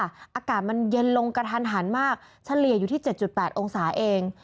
อากาศมันเย็นลงกระทันหันมากเฉลี่ยอยู่ที่๗๘องศาเอง